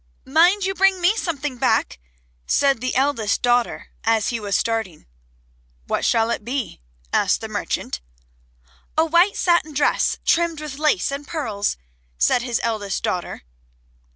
"Mind you bring me something back," said the eldest daughter as he was starting. "What shall it be?" asked the merchant. "A white satin dress trimmed with lace and pearls," said his eldest daughter.